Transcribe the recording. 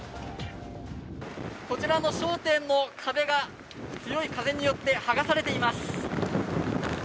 こちらの商店も壁が強い風によってはがされています。